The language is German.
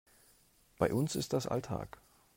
Bei uns ist das Alltag.